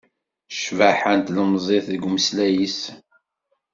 Cbaḥa n tlemẓit deg umeslay-is